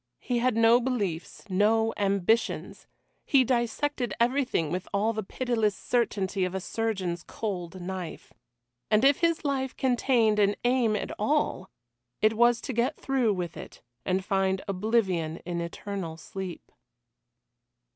He had no beliefs no ambitions. He dissected everything with all the pitiless certainty of a surgeon's cold knife. And if his life contained an aim at all, it was to get through with it and find oblivion in eternal sleep.